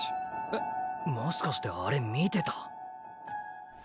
えっもしかしてあれ見てた？